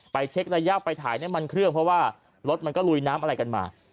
เช็กระยะไปถ่ายน้ำมันเครื่องเพราะว่ารถมันก็ลุยน้ำอะไรกันมา